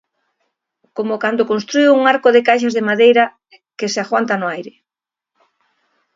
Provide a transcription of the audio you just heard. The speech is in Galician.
Como cando constrúe un arco de caixas de madeira que se aguanta no aire.